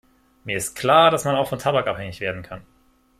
Mir ist klar, dass man auch von Tabak abhängig werden kann.